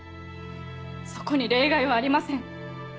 そこに例外はありません。